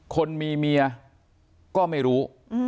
คนมีเมียก็ไม่รู้